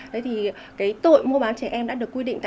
đấy thì cái tội mua bán trẻ em đã được giải quyết